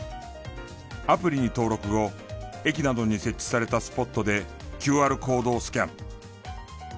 アプリに登録後駅などに設置されたスポットでＱＲコードをスキャン。